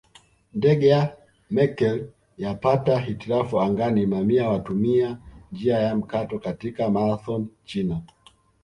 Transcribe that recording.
Ndege ya Merkel yapata hitilafu angani Mamia watumia njia ya mkato katika Marathon China